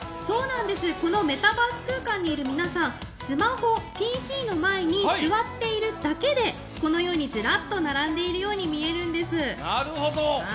このメタバース空間にいる皆さん、スマホ、ＰＣの前に座っているだけで、このようにズラッと並んでいるように見えるんです。